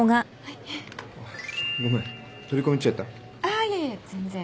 あいえいえ全然。